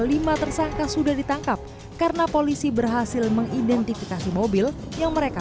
lima tersangka sudah ditangkap karena polisi berhasil mengidentifikasi mobil yang mereka